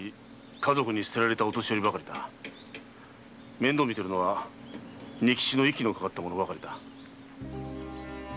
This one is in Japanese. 面倒を見ているのは仁吉の息のかかった者達だ。